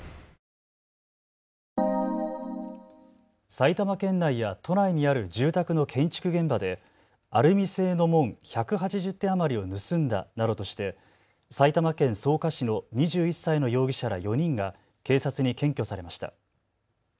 埼玉県内や都内にある住宅の建築現場でアルミ製の門１８０点余りを盗んだなどとして埼玉県草加市の２１歳の容疑者ら４人が警察に検挙されました。